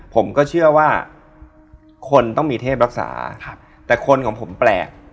ผมก็เชื่อว่าคนต้องมีเทพรักษาแต่คนของผมแปลก